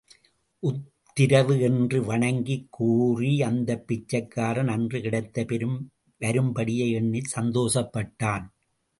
உத்திரவு என்று வணங்கிக் கூறிய அந்தப் பிச்சைக்காரன், அன்று கிடைத்த பெரும் வரும்படியை எண்ணிச் சந்தோஷப்பட்டான்.